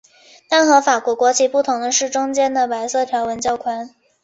但和法国国旗不同的是中间的白色条纹较宽。